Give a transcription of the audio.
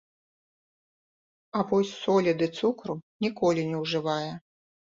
А вось солі ды цукру ніколі не ўжывае.